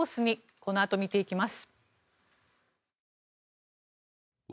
このあと見ていきます。